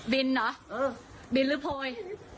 บินหรอบินหรือโพย